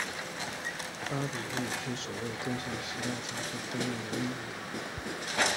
巴比亦是首位登上时代杂志封面的印度演员。